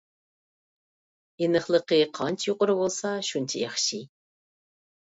ئېنىقلىقى قانچە يۇقىرى بولسا شۇنچە ياخشى.